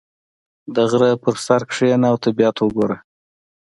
• د غره پر سر کښېنه او طبیعت ته وګوره.